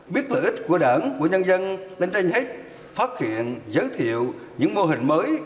biết lợi ích của đảng của nhân dân đánh tranh hết phát hiện giới thiệu những mô hình mới